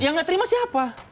yang nggak terima siapa